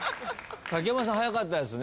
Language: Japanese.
竹山さん早かったですね。